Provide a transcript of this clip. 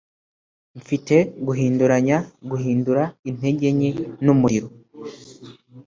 mfite, guhinduranya guhindura intege nke numuriro